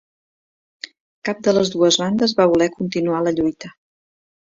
Cap de les dues bandes va voler continuar la lluita.